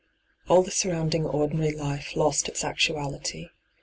All the surrounding ordi nary life lost its actuality.